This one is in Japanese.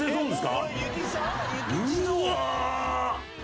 うわ！